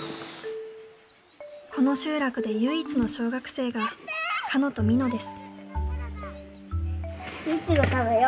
この集落で唯一の小学生がかのとみのです。